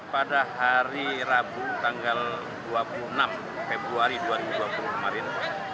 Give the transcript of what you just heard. pada hari rabu tanggal dua puluh enam februari dua ribu dua puluh kemarin